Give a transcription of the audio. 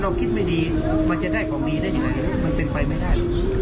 ถ้าเราคิดไม่ดีมันจะได้ของดีได้อยู่ไหนมันเต็มไปไม่ได้